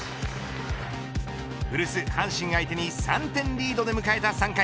古巣阪神相手に３点リードで迎えた３回。